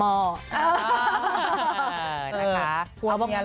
เออนะคะเอาบ้าง